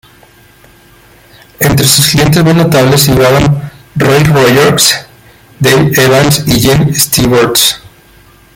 Entre sus clientes más notables figuraban Roy Rogers, Dale Evans y James Stewart.